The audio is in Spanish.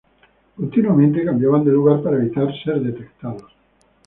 Continuamente cambiaban de lugar para evitar ser detectados.